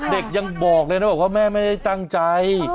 เด็กยังบอกเลยนะบอกว่าแม่ไม่ได้ตั้งใจ